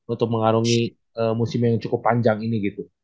untuk mengarungi musim yang cukup panjang ini gitu